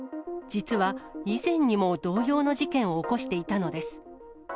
実は以前にも同様の事件を起こしていたのです。